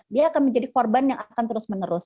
dia akan menjadi korban yang akan terus menerus